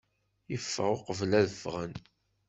Yeffeɣ uqbel ad ffɣen.